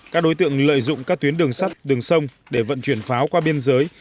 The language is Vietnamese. các đối tượng lợi dụng các tuyến đường sắt đường sông để vận chuyển pháo qua biên giới